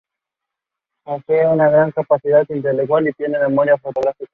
Posee una gran capacidad intelectual y tiene memoria fotográfica.